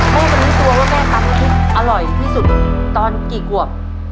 แม่ก็มีตัวว่าแม่ตำน้ำพริกอร่อยที่สุดตอนกี่กว่า